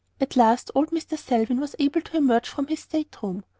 At last, old Mr. Selwyn was able to emerge from his state room.